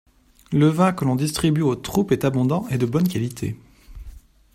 Le vin que l'on distribue aux troupes est abondant et de bonne qualité.